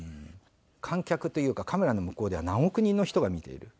観客というかカメラの向こうでは何億人の人が見ている。